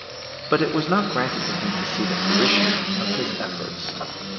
But it was not granted to him to see the fruition of his efforts.